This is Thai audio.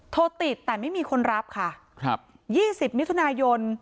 โทรติดแต่ไม่มีคนรับค่ะครับ๒๐มิถุนายน